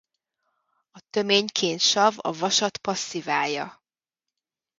A tömény kénsav a vasat passziválja.